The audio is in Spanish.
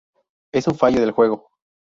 Es un fallo del Juego.